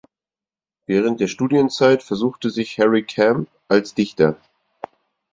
Während der Studienzeit versuchte sich Harry Kemp als Dichter.